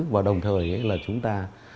và đồng thời là chúng ta